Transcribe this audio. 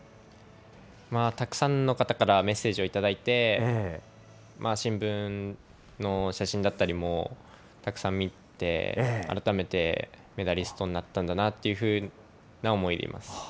たくさんの方からメッセージを頂いて、新聞の写真だったりもたくさん見て、改めてメダリストになったんだなというふうな思いでいます。